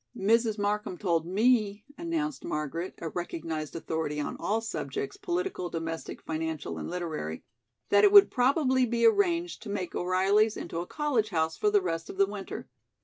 "Mrs. Markham told me," announced Margaret, a recognized authority on all subjects, political, domestic, financial and literary, "that it would probably be arranged to make O'Reilly's into a college house for the rest of the winter.